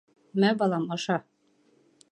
— Мә, балам, аша!